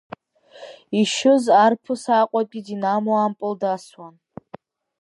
Ишьыз арԥыс Аҟәатәи Динамо ампыл дасуан.